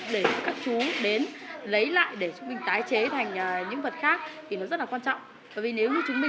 để các chú đến lấy lại để chúng mình tái chế thành những vật khác thì nó rất là quan trọng